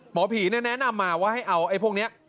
หมอผีแนะนำมาว่าให้เอาไอ้พวกนี้